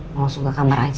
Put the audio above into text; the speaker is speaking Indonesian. mau masuk ke kamar aja